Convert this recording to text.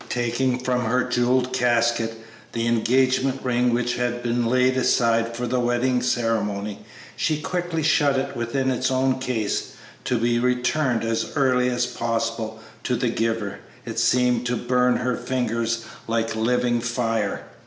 Taking from her jewel casket the engagement ring which had been laid aside for the wedding ceremony, she quickly shut it within its own case, to be returned as early as possible to the giver; it seemed to burn her fingers like living fire.